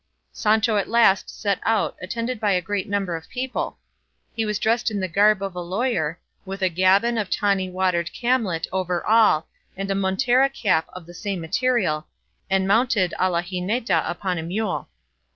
Sancho at last set out attended by a great number of people. He was dressed in the garb of a lawyer, with a gaban of tawny watered camlet over all and a montera cap of the same material, and mounted a la gineta upon a mule.